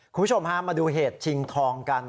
คุณผู้ชมฮะมาดูเหตุชิงทองกัน